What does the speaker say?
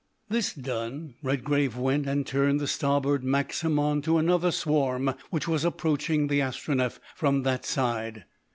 This done, Redgrave went and turned the starboard Maxim on to another swarm which was approaching the Astronef from that side.